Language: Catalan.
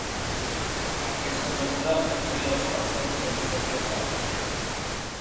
Aquesta mesura afectaria les persones de més de tretze anys.